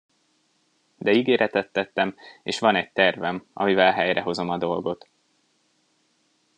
De ígéretet tettem, és van egy tervem, amivel helyrehozom a dolgot.